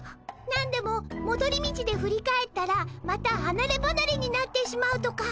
なんでももどり道で振り返ったらまたはなればなれになってしまうとか。